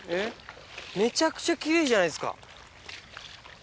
めちゃくちゃ奇麗じゃないですか。